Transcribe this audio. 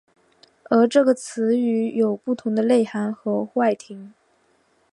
而这个词语有不同的内涵和外延。